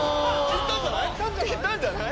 行ったんじゃない？